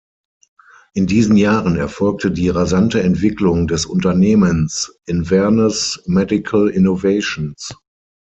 In diesen Jahren erfolgte die rasante Entwicklung des Unternehmens "Inverness Medical Innovations".